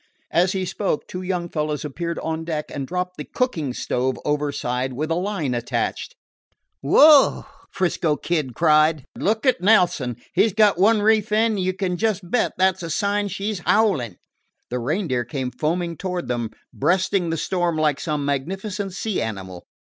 As he spoke, two young fellows appeared on deck and dropped the cooking stove overside with a line attached. "Phew!" 'Frisco Kid cried. "Look at Nelson. He 's got one reef in, and you can just bet that 's a sign she 's howlin'!" The Reindeer came foaming toward them, breasting the storm like some magnificent sea animal.